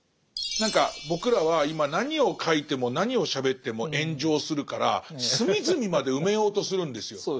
何か僕らは今何を書いても何をしゃべっても炎上するから隅々まで埋めようとするんですよ。